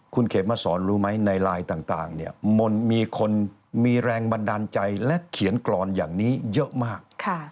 คุณเขมมาสอนรู้ไหมในไลน์ต่างเนี่ยมันมีคนมีแรงบันดาลใจและเขียนกรอนอย่างนี้เยอะมาก